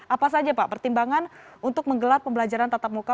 apa saja pak pertimbangan untuk menggelar pembelajaran tatap muka